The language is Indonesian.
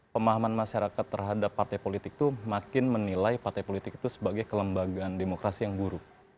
pemahaman masyarakat terhadap partai politik itu makin menilai partai politik itu sebagai kelembagaan demokrasi yang buruk